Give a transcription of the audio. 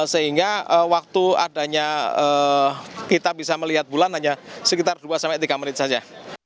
sehingga waktu adanya kita bisa melihat bulan hanya sekitar dua sampai tiga menit saja